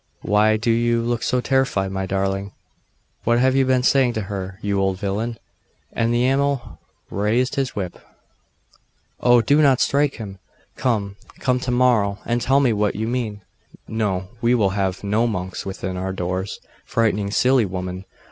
'Why do you look so terrified, my darling? What have you been saying to her, you old villain?' and the Amal raised his whip. 'Oh! do not strike him. Come, come to morrow, and tell me what you mean.' 'No, we will have no monks within our doors, frightening silly women.